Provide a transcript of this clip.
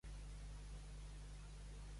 Es troba des de la Mar d'Okhotsk fins a Kamtxatka.